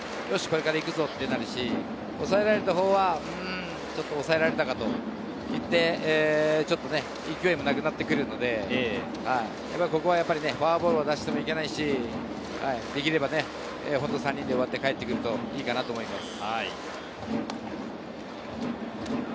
これから行くぞ！となるし、抑えられたほうは抑えられたかといって勢いもなくなってくるので、ここはフォアボールを出してもいけないし、できれば３人で終わって帰ってくるといいと思います。